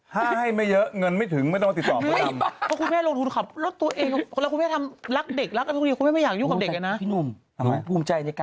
ถ้าให้ไม่เยอะเงินไม่ถึงไม่ต้องมาติดต่อผู้หญิง